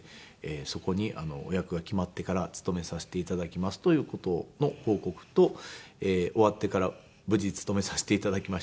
そこにお役が決まってから「勤めさせて頂きます」という事の報告と終わってから「無事勤めさせて頂きました」